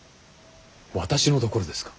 私のところですか。